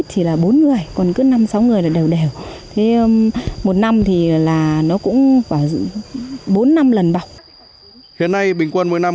hiện nay bình quân mỗi năm